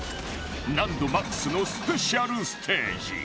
難度マックスのスペシャルステージ